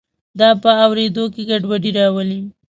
دا په اوریدو کې ګډوډي راولي.